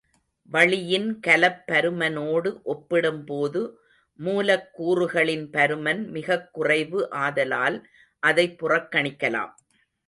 வளியின் கலப்பருமனோடு ஒப்பிடும்போது, மூலக் கூறுகளின் பருமன் மிகக் குறைவு ஆதலால், அதைப் புறக்கணிக்கலாம்.